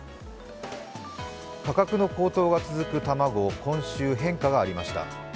価格の高騰が続く卵に今週に変化がありました。